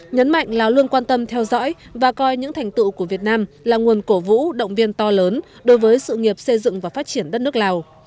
nhấn mạnh lào luôn quan tâm theo dõi và coi những thành tựu của việt nam là nguồn cổ vũ động viên to lớn đối với sự nghiệp xây dựng và phát triển đất nước lào